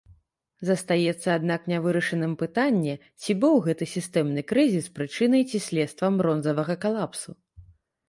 Застаецца, аднак, нявырашаным пытанне, ці быў гэты сістэмны крызіс прычынай ці следствам бронзавага калапсу.